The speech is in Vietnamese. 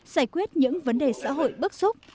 giải quyết những vấn đề xã hội bất xúc